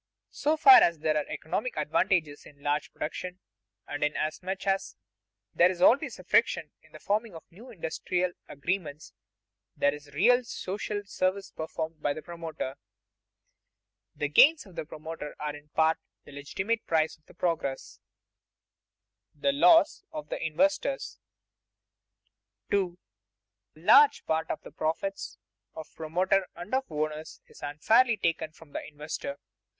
So far as there are economic advantages in large production, and inasmuch as there is always friction in the forming of new industrial arrangements, there is a real social service performed by the promoter. The gains of the promoter are in part the legitimate price of progress. [Sidenote: The loss of the investors] 2. _A large part of the profits of promoter and of owners is unfairly taken from the investor.